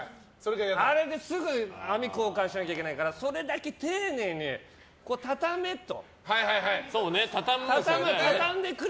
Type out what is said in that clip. あれですぐに網交換しないといけないからそれだけ丁寧に畳めと。